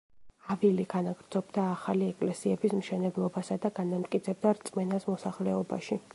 ავილი განაგრძობდა ახალი ეკლესიების მშენებლობასა და განამტკიცებდა რწმენას მოსახლეობაში.